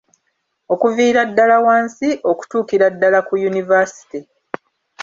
Okuviira ddala wansi okutuukira ddala ku yunivaasite.